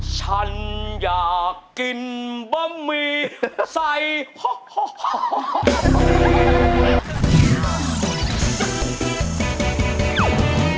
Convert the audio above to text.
ฉันอยากกินบะหมี่ใส่ฮ่อฮ่อฮ่อ